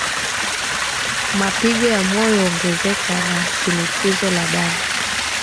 Mapigo ya moyo huongezeka na Shinikizo la damu